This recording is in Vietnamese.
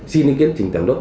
xin hình kiến trình tẩu đốt